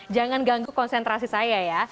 jangan ganggu konsentrasi saya ya